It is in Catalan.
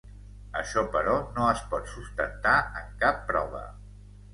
Això, però, no es pot sustentar en cap prova.